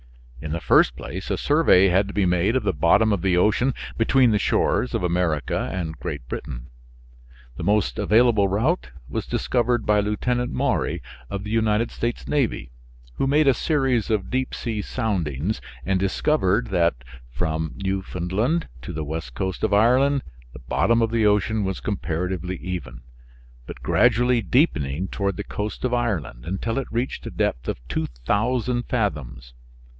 In the first place a survey had to be made of the bottom of the ocean between the shores of America and Great Britain. The most available route was discovered by Lieutenant Maury of the United States Navy, who made a series of deep sea soundings, and discovered that, from Newfoundland to the west coast of Ireland the bottom of the ocean was comparatively even, but gradually deepening toward the coast of Ireland until it reached a depth of 2000 fathoms.